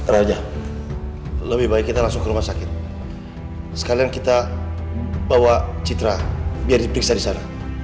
terima kasih lebih baik kita langsung ke rumah sakit sekalian kita bawa citra biar diperiksa di sana